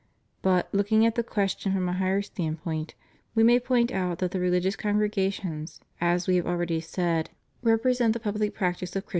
But, looking at the question from a higher standpoint, we may point out that the religious congregations, as We have already said, represent the public practice of Chris THE RELIGIOUS CONGREGATIONS IN FRANCE.